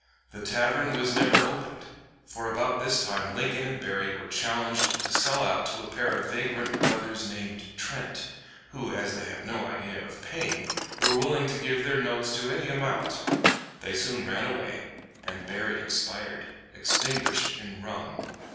The tavern was never opened, for about this time Lincoln and Berry were challenged to sell out to a pair of vagrant brothers named Trent, who, as they had no idea of paying, were willing to give their notes to any amount. They soon ran away, and Berry expired, extinguished in rum.